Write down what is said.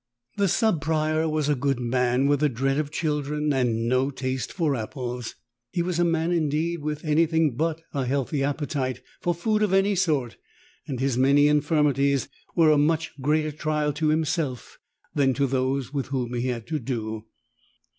II. The Sub Prior was a good man with a dread of children and no taste for apples. He was a man indeed with any thing but a healthy appetite for food of any sort, and his many infirmities were a much greater trial to himself than to those with whom he had to do.